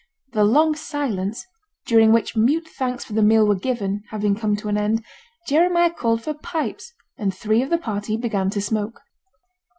The long silence, during which mute thanks for the meal were given, having come to an end, Jeremiah called for pipes, and three of the party began to smoke.